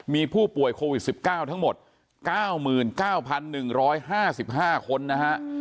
มีผู้ป่วยโควิด๑๙ทั้งหมด๙๙๑๕๕คนนะฮะ